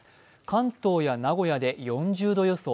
関東や名古屋で４０度予想。